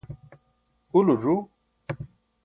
ulo ẓu